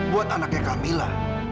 buat anaknya kamila